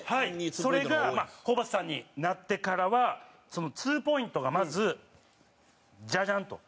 田中：それがホーバスさんになってからはツーポイントがまず、ジャジャンと。